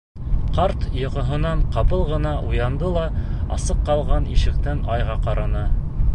Ҡарт йоҡоһонан ҡапыл ғына уянды ла асыҡ ҡалған ишектән айға ҡараны.